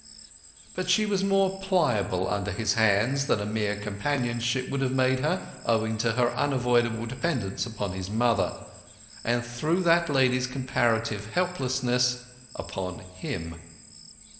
But she was more pliable under his hands than a mere companionship would have made her, owing to her unavoidable dependence upon his mother, and, through that lady's comparative helplessness, upon him.